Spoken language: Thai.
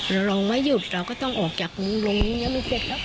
เราร้องไม่หยุดเราก็ต้องออกจากโหมงร้องเนี้ยมีคนละ